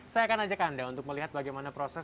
saya akan ajak anda untuk melihat bagaimana proses